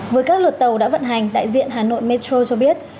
với các lượt tàu đã vận hành đại diện hà nội metro cho biết